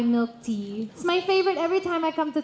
มันเป็นชีวิตชิ้นที่ชอบทุกครั้งที่มาไทย